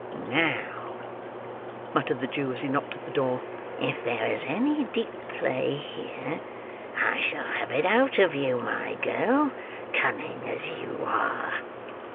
"Now," muttered the Jew, as he knocked at the door, "if there is any deep play here, I shall have it out of you, my girl, cunning as you are."